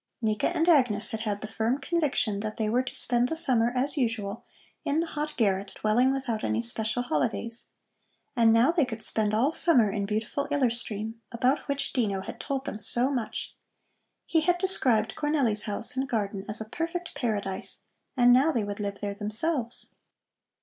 Nika and Agnes had had the firm conviction that they were to spend the summer, as usual, in the hot garret dwelling without any special holidays. And now they could spend all summer in beautiful Iller Stream, about which Dino had told them so much. He had described Cornelli's house and garden as a perfect paradise, and now they would live there themselves.